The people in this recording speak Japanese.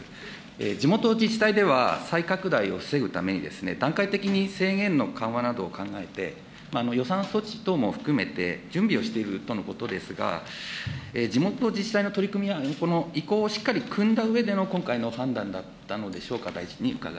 地元自治体では、再拡大を防ぐために、段階的に制限の緩和などを考えて、予算措置等も含めて、準備をしているとのことですが、地元の自治体の取り組み、意向をしっかりくんだうえでの今回の判断だったのでしょうか。